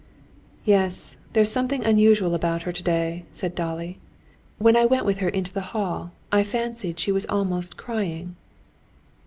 "Yes, there's something unusual about her today," said Dolly. "When I went with her into the hall, I fancied she was almost crying."